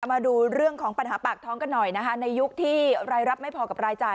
มาดูเรื่องของปัญหาปากท้องกันหน่อยนะคะในยุคที่รายรับไม่พอกับรายจ่าย